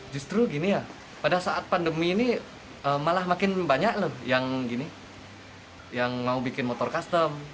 justru gini ya pada saat pandemi ini malah makin banyak loh yang mau bikin motor custom